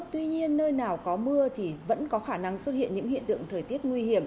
tuy nhiên nơi nào có mưa thì vẫn có khả năng xuất hiện những hiện tượng thời tiết nguy hiểm